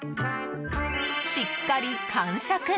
しっかり完食。